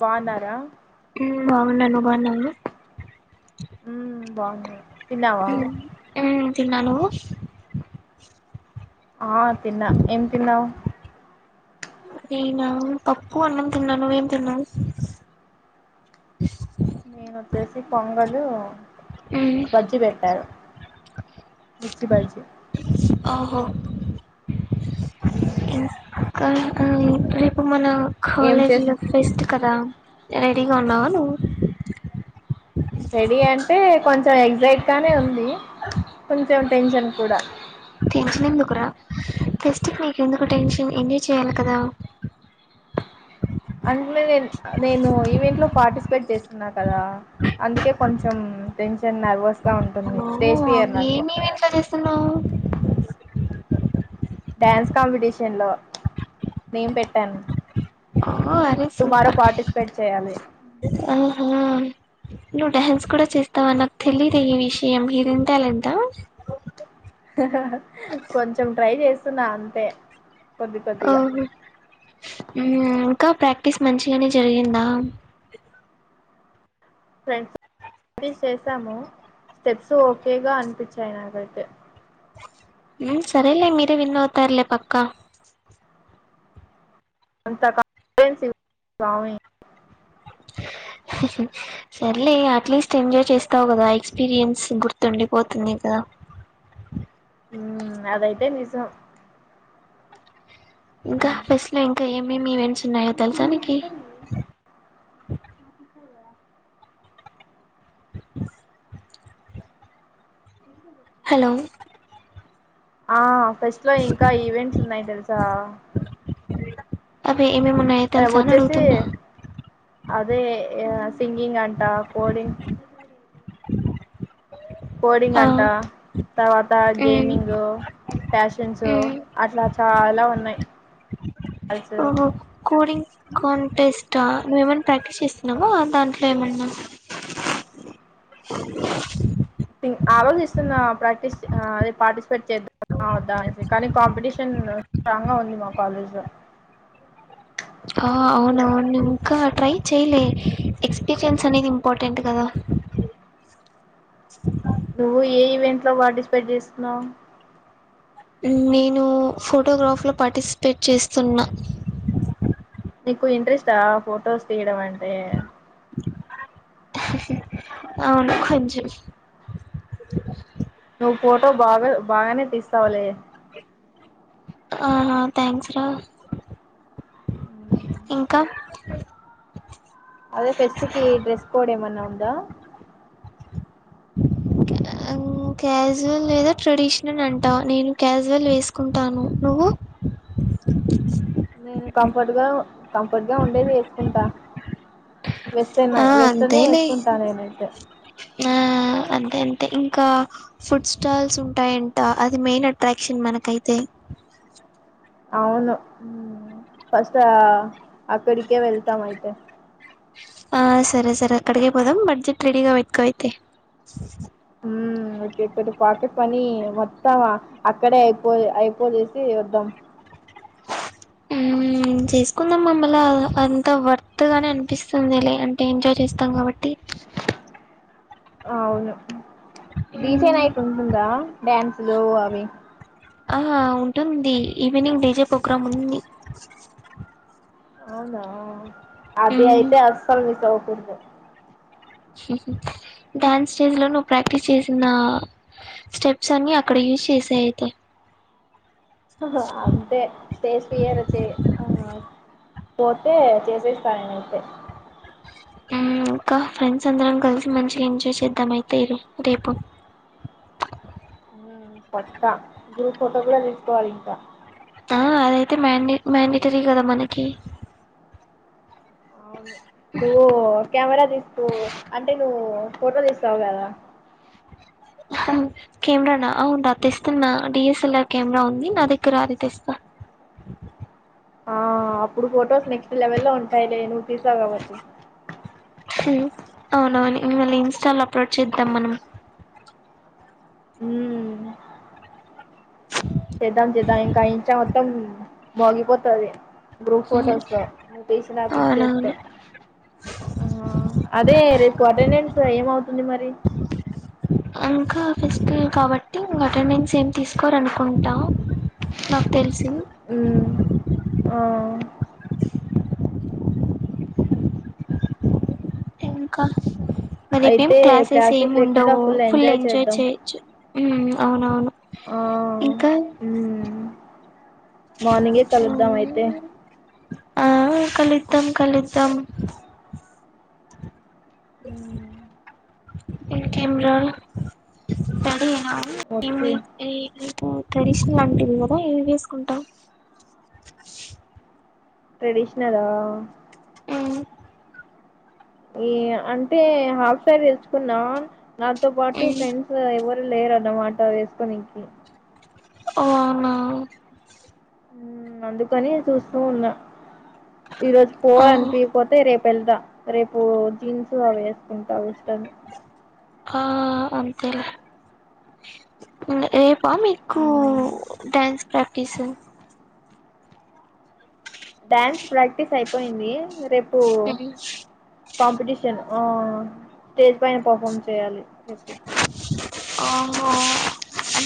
బావునర బాగున్నాను నువ్వు బాగున్నావా బాగునా ఇ ఏ తన్నా నువు ఆ తిన్నా ఏం తిన్నావు నేనా పప్పు అన్నం తినన్నా నువ్ ఏం తిన్నావ్ నేనొచ్చేసి పొంగలు ఉమ్ బజ్జి పెట్టారు మిర్చి బజ్జి ఇ రేపు మన ఏం చేస్ కాలేజీలో ఫెస్ట్ కదా రెడీగా ఉన్నావ నువ్వు రడి అంట అంటే కొంచెం ఎగ్జైట్గానే ఉంది కొంచెం టెన్షన్ కూడా టెన్షన్ ఎందుకురా ఫెస్ట్కి నీకెందుకు టెన్షన్ ఎంజాయ్ చేయాలి కదా అంటనే నే నేను ఈవెంట్ లో పార్టిసి ట్ చేస్తున్నా కదా అందుకే కొంచెం టెన్షన్ నర్వస్ ఓహ్ అవును ఏమేమి ఇంట్లో చేస్తున్నావు డ్యాన్స్ కాంపిటీషన్ లో నేను పెట్టాను ఓ అరే టుమారో సూపర్ పార్టిసిపేట్ చేయాలి ఆహా నువ్వు డాన్స్ కూడా చేస్తావా నాకు తెలీయదు ఈ విషయం హిడెన్ టాలెంట్ ఆ కొంచెం ట్రై చేస్తున్నా అంతే కొద్ది కొద్దిగా ఓహో ఇంకా ప్రాక్టీస్ మంచిగానే జరిగిందా ఫ్రెండ్స్ ఏది చేశామో స్టెప్స్ ఓకేగా అనిపించాయి నాకైతే సరేలే మీరే విన్నవుతారులే పక్కా అంత కా [inaudible] స్వామి సర్లే అట్లీస్ట్ ఎంజాయ్ చేస్తావు కదా ఎక్స్పీరియన్స్ గుర్తుండిపోతుంది కదా అదైతే నిజం ఇంకా ఫెస్ట్ లో ఇంకా ఏమేమి ఈవెంట్స్ ఉన్నాయో తెలుసానికి హలో ఆ ఫెస్ట్ లో ఇంకా ఈవెంట్స్ ఉన్నాయి తెలుసా అవే ఏం ఏం ఉన్నాయి ఓ ఆ, తెలుసా అని వచ్చేసి అడుగుతున్నా అదే సింగింగ్ అంటా కోడింగ్ కోడింగ్ ఆ అంటా తర్వాత మ్మ్ గేమింగ్ ప్యాషన్స్ మ్మ్ అట్లా చాలా ఉన్నాయి అజ ఓహో కోడింగ్ కన్ంటెస్ట్ మవ్వ ఏమనా ప్రాక్టీస్ చేస్తున్నావా దాంట్లో ఏమన్నా ఆ అల్లో చేస్తున్న ప్రాక్టీస్ అదే పార్టిసిపేట్ చేద్దాం కానీ కాంపిటీషన్ స్ట్రాంగ్ గా ఉంది మా కాలేజ్ లో ఆ అవున అవును ఇంకా ట్రై చెయలే ఎక్స్పీరియన్స్ అనేది ఇంపార్టెంట్ కదా నువ్వు ఏ ఈవెంట్ లో పార్టిసిపేట్ చేస్తున్నావు నేను ఫోటోగ్రాఫ్లో పార్టిసిపేట్ చేస్తున్నా నీకు ఇంట్రెస్ట్ ఆ ఫొటోస్ తీయడం అంటే అవును కొంచెం నువ్వు ఫోటో బాగా బాగానే తీస్తావులే ఆహా థ్యాంక్స్ రా ఇంకా అదే ఫెస్ట్ కి డ్రెస్ కోడ్ ఏమన్నా ఉందా క్యాజువల్ లేదా ట్రెడిషనల్ అంటా నేను క్యాజువల్ వేసుకుంటాను నువ్వు [inaudible] నేను కంఫర్ట్ గా కంఫర్ట్ గా ఉండేది వేసుకుంటా వెస్ట్రన్ ఆ వెస్ట్రనే అంతేలే వేసుకుంటాను నేనైతే ఆ అంతే అంతే ఇంకా ఫుడ్ స్టాల్స్ ఉంటాయంట అది మెయిన్ అట్రాక్షన్ మనకైతే [inaudible] అవును ఫస్ట్ అక్కడికే వెళ్తాం అయితే ఆ సరే సరే అక్కడికి పోదాం బడ్జెట్ రెడీగా వెట్కో అయితే ఉమ్ ఒకే కే పాకెట్ మనీ మొత్తం అక్కడే అయిపో అయిపోదేసి వద్దాం [inaudible] మ్మ్ చేసుకుందాం మమ్మల్ల అంత వర్త్గానే అనిపిస్తుంది అంటే ఎంజాయ్ చేస్తాం కాబట్టి [inaudible] అవును డిజే మ్మ్ నైట్ ఉంటదా డ్యాన్సులు అవి ఆ ఉంటుంది ఈవినింగ్ డిజే ప్రోగ్రామ్ ఉంది అవునా అది మ్మ్ అయితే అస్సలు మీస్ అవ్వకూడదు డ్యాన్స్ స్టేజ్ లో నువ్ ప్రాక్టీస్ చేసిన స్టెప్స్ అన్ని అక్కడ ఎయ్ విశ్‌ చెసెయ్ అయితే అంతే స్టేజ్ఫియరచ్చే పోతే చేసేస్తానమో నేనయితే ఇంకా ఫ్రెండ్స్ అందరం కలిసి మంచిగా ఎంజాయ్ చేద్దాం అయితే ఇ రేపు పట్టా గ్రూప్ ఫోటో కూడా తీసుకోవాలి ఇంకా మ్యాన్ మ్యాడిటరీ కదా మనకి న్వో కెమెరా తీస్తూ అంటే నువ్వు ఫోటోలు తీస్తావు కదా కెమెరానా అవును తెస్తున్నా డిఎస్ఎల్ఆర్ కెమెరా ఉంది నా దగ్గర అది తెస్తా [inaudible] ఆ అప్పుడు ఫొటోస్ నెక్స్ట్ లెవెల్ లో ఉంటాయిలే నువ్వు తీసావు కాబట్టి అవునవును మళ్లీ ఇంస్టాలో అప్లోడ్ చేద్దాం మనం హ్మ్ చేద్దాం చేద్దాం ఇంకా ఇంస్టా మొత్తం మోగిపోతది గ్రూప్ మ్మ్. ఫోటోస్తో నువు తీశిన పిక్చర్స్ తో అవునవును ఆ అదే రేపు అటెండెన్స్ ఏమవుతుంది మరి ఇంకా ఫెస్ట ఏ కాబట్టి ఇంగ అటెండెన్స్ ఏం తీసుకోరనుకుంటా నాకు తెలుసు సి ఉమ్ ఆ ఇంకా రేప్ ఏం క్లాసెస్ ఏమి ఉండవు ఫుల్ ఎంజాయ్ చేయొచ్చు మ్ అవునవును ఆ ఇంకా ఉమ్ మార్నింగే కలుద్దాం అయితే ఆ కలుద్దం కలుద్దం ఉమ్ ఇంకేం రా రడియా అవునండి వచ్చి మీ మీకు ట్రెడిషనల్ అంటివి కదా ఏం వెసుకుంటావు. ట్రెడిషనలా అవును ఈ అంటే హాఫ్ సారి తెచ్చుకున్నా నాతో పాటు ఉమ్ ఫ్రెండ్స్ ఎవరు లేరాన్నమాట వేసుకునికి. ఓ అవునా అందుకని చూస్తూ ఉన్నా ఈరోజు ఓహో పోవలనిపియకపోతే రేపు వెళ్తా రేపు జీన్స్ అవి వేసుకుంటా వెస్టన్. ఆ అంతే లే రే పా మీకు మ్మ్ డ్యాన్స్ ప్రాక్టీసు. డ్యాన్స్ ప్రాక్టీస్ అయిపోయింది రేపు ఉమ్ కాంపిటీషన్. ఆ స్టేజ్ పైన పర్ఫార్మ్ చేయాలి. రేపు అహా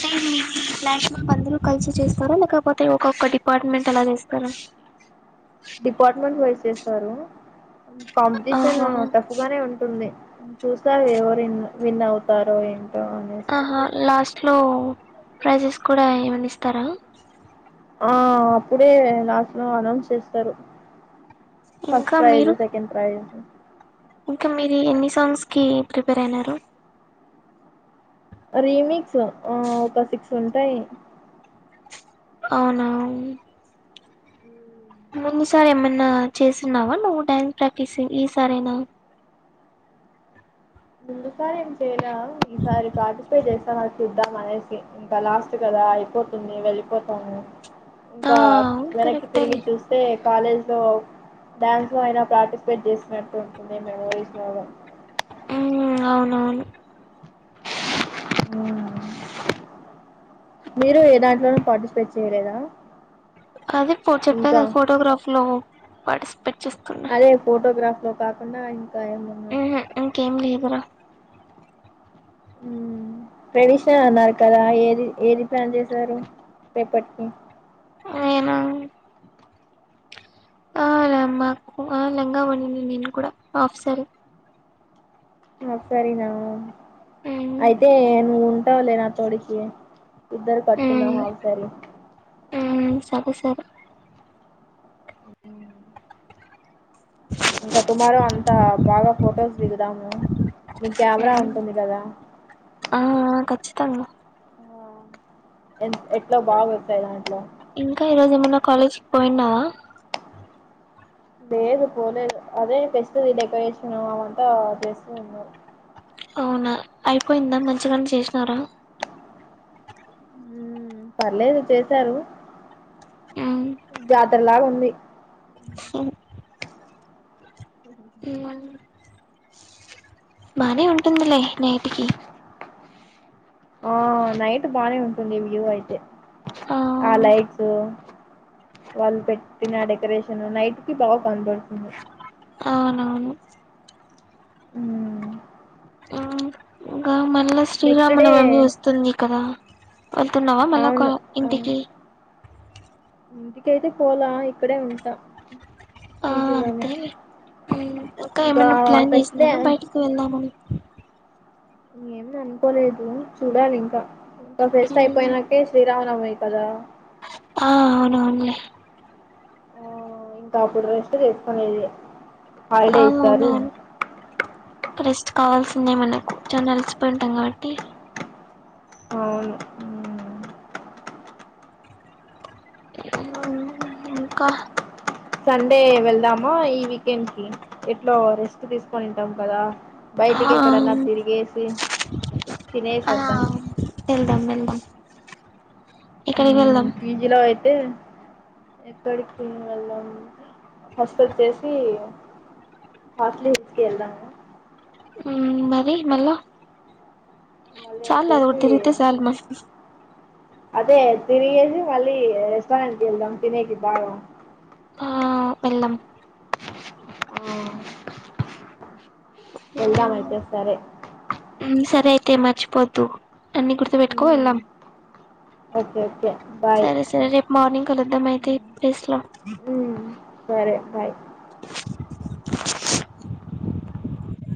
మాక్సిమం అందరూకలిసి చేస్తారా, లేకపోతే ఒక్కొక్క డిపార్ట్మెంట్ అలా చేస్తారా. డిపార్ట్మెంట్ వైస్ చేస్తారు. కాంపిటీషన్ ఆహా టఫ్ గానే ఉంటుంది. చూస్తారు ఎవరున్ విన్ అవుతారో ఏం ఆహా లాస్ట్ లో ప్రైజెస్ కూడా ఏమనా ఇస్తారా. ఆ అప్పుడే లాస్ట్ లో అనౌన్స్ చేస్తారు. ఫస్ట్ ఇంకా ప్రైజ్ మీరు సెకండ్ ప్రైజెస్ ఇంకా మీరి ఎన్ని సాంగ్స్ కి ప్రిపేర్ అయినారు? రీమిక్స్ ఒక సిక్స్ ఉంటాయి. అవునా ముందు సార్ ఏమన్నా చేసిన్నావా నువ్వు డ్యాన్స్ ప్రాక్టీస్ ఈ సారేనా. ముందుసారి ఏం చేయలా. ఈసారి పార్టిసిపేట్ చేస్తాం చూద్దాం అనేసి ఇంకా లాస్ట్ కదా అయిపోతుంది వెళ్ళిపోతాము, ఆ ఇంకా వెనక్కి తిరిగి కరెక్టేలే చూస్తే కాలేజ్ లో డ్యాన్స్ లో అయినా పార్టిసిపేట్ చేసినట్టు ఉంటుంది మెమోరీస్ లాగా. ఉ అవునవును. హ్ మీరు ఏ దాంట్లోనూ పార్టిసిపేట్ చేయలేదా? అది పో చెప్పా ఇంకా కదా ఫోటోగ్రాఫ్ లో పార్టిసిపేట్ చేస్తున్నా అదే ఫోటోగ్రాఫ్ లో కాకుండా ఇంకా ఏమన్నా సరే హ్ ట్రేడిషనల్ అన్నారు కదా ఏది ఏది ప్లాన్ చేశారు రేపటికి? నేనా అలే మాకు ఆ లంగా ఓణినే నేను కూడా ఆఫ్ సారీ. ఆఫ్ సరీనా మ్మ్ అయితే నువ్వు ఉంటావలే నా తోడుకి. ఇద్దరు కట్టుకున్దాం మ్మ్ అఫ్ సారీస్. మ్మ్ సరే సరే ఇంకా టుమారో అంతా బాగా ఫొటోస్ దిగుదాము. నీ కేమెరా ఉంటుంది కదా. ఆ ఖచ్చితంగా. ఎ ఎట్ల బాగా వస్తాతాయి దాంట్లో. ఇంకా ఈరోజు ఏమన్నా కాలేజీకిి పోయిన్నావా. లేదు పోలేదు అదే ఫెస్ట్ ది డెకరేషన్ అదిఅంతా చేస్తూ ఉన్నారు. అవునా అయిపోయిందా మంచిగనే చేసినారా. హ్ పర్లేదు చేశారు జాతరలాగా ఉ ంది హ్ బానే ఉంటుందిలే నైటికి ఆ నైట్ బానే ఉంటుంది వ్యూ అయితే ఆ లైట్స్ వాళ్ళు పెట్టిన డెకరేషన్ నైట్ కి బాగా కనపడుతుంది అవునవును అ మల్ల డే శ్రీరామనవమి వస్తుంది కదా వెళ్తున్నావా మళ్ళా అవును అవును ఇంటికి ఇంటికైతే పోలా ఇక్కడే ఉంటా ఆ పూజలోనే అంతేలే ఇంకా ఏమైన్నా ప్లాన్ డే చేసినాార బయటికి వెళ్దామని ఏం అనుకోలేదు చూడాలి ఇంకా ఇంకా ఫ్రెస్ట్ మ్మ్ అయిపోయినాకే శ్రీరామ నవమి కద ఆ అవునవును ఇంకా అప్పుడు రెస్ట్ చేసుకునేది ఆ హాయిలే ఇస్తారు అవునవును రెస్ట్ కావాల్సిందే మనకు చా అలిసిపోయి ఉంటాం కాబట్టి అ ఇంకా సండే వెళ్దామా ఈ వీకెండ్ కి ఎట్లో రెస్ట్ తీసుకొనింటాం కదా ఆ బయటికి ఎక్కడన్నా తిరిగేసి తినేసి ఆ వద్దాం వెల్దాం వెల్దాం ఇక్కడికి వెళ్దాం అంటే ఎక్కడికి మళ్ళ హసపత్ చేసి హస్ట్లీ హస్క ఎల్ా మరి మళ్ళా మళ్ళీ వచ్చేసి చాలదిటి రతే చాల మ అదే తిరిగేసి మళ్ళీ రెస్టారెంట్ కి వెళ్దాం తినేటి బాగా ఆ వెళ్లం ఆ ఎలా అయితేస్తరే అరైతే మర్చిపోద్దు అన్ని గుర్తుపెట్టుకో ఉమ్, వెళ్ళాం ఓకే బాయ్ సరే సరే రేపు మార్నింగ్ కలుద్దాం అయితే ప్లేస్ లో ఉమ్, సరే బాయ్